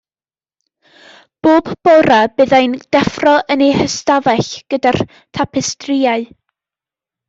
Bob bore byddai'n deffro yn ei hystafell gyda'r tapestrïau.